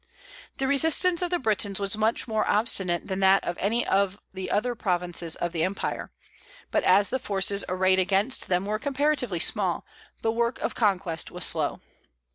The resistance of the Britons was much more obstinate than that of any of the other provinces of the Empire; but, as the forces arrayed against them were comparatively small, the work of conquest was slow.